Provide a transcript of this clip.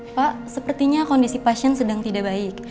pak sepertinya kondisi pasien sedang tidak baik